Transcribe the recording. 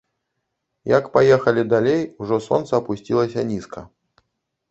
Як паехалі далей, ужо сонца апусцілася нізка.